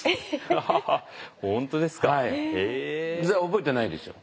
覚えてないですよ。